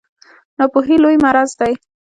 ناپوهي لوی مرض دی